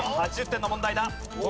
８０点の問題だ。